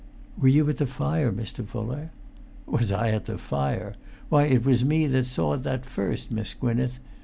[Pg 400]"Were you at the fire, Mr. Fuller?" "Was I at the fire! Why, it was me that saw that first, Miss Gwynneth.